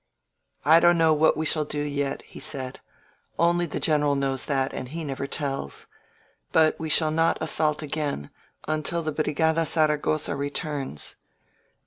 "I don't know what we shall do yet," he said. "Only the General knows that, and he never tells. But we shall not assault again until the Brigada Zaragosa re turns.